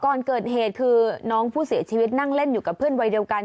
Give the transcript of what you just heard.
ก่อนเกิดเหตุคือน้องผู้เสียชีวิตนั่งเล่นอยู่กับเพื่อนวัยเดียวกัน